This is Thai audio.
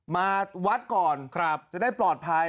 มาวัดก่อนจะได้ปลอดภัย